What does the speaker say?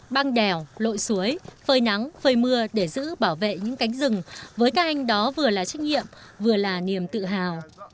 băng đèo lội suối phơi nắng phơi mưa để giữ bảo vệ những cánh rừng với các anh đó vừa là trách nhiệm vừa là niềm tự hào